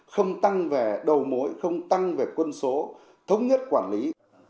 không tăng về đầu mối không tăng về quân số thống nhất quản lý